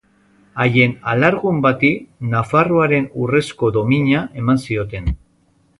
Haien alargun bati Nafarroaren Urrezko Domina eman zioten.